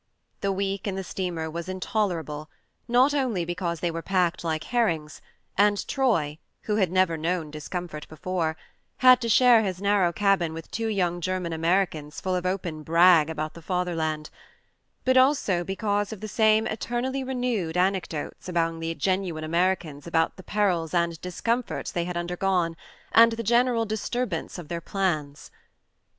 The week in the steamer was intoler able, not only because they were packed like herrings, and Troy (who had never known discomfort before) had to share his narrow cabin with two young German Americans full of open brag about the Fatherland ; but also because of the same eternally renewed anec dotes among the genuine Americans about the perils and discomforts they had undergone, and the general dis turbance of their plans.